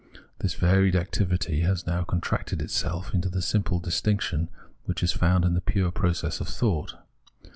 This varied ac tivity has now contracted itself into the simple distinction which is found in the pure process of thought.